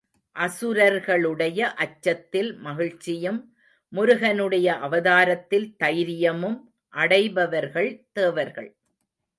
அசுரர்களுடைய அச்சத்தில் மகிழ்ச்சியும் முருகனுடைய அவதாரத்தில் தைரியமும் அடைபவர்கள் தேவர்கள்.